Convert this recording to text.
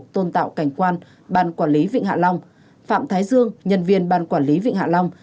tôn tạo cảnh quan ban quản lý vịnh hạ long phạm thái dương nhân viên ban quản lý vịnh hạ long